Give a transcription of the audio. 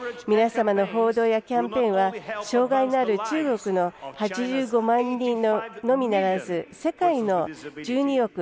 皆様の報道やキャンペーンは障がいのある中国の８５万人のみならず世界の１２億